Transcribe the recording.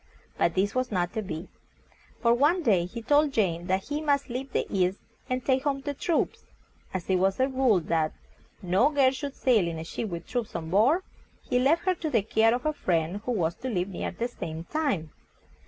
But this was not to be, for one day he told Jane that he must leave the East, and take home the troops. As it was a rule that no girl should sail in a ship with troops on board, he left her to the care of a friend who was to leave near the same time.